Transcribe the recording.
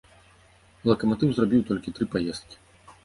Лакаматыў зрабіў толькі тры паездкі.